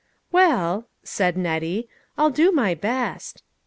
" Well," said Nettie, I'll do my best."